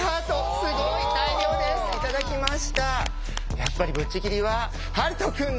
やっぱりぶっちぎりは遥人くんね。